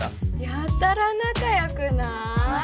やたら仲よくない？